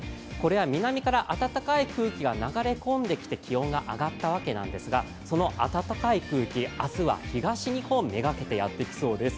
南から暖かい空気が流れ込んできて気温が上がったわけですがその暖かい空気、明日は東日本めがけてやってきそうです。